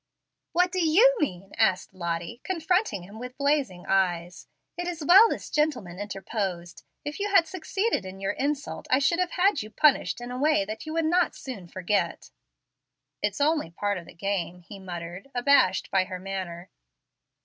"What do YOU mean?" asked Lottie, confronting him with blazing eyes. "It is well this gentleman interposed. If you had succeeded in your insult I should have had you punished in a way that you would not soon forget." "It's only part of the game," muttered he, abashed by her manner.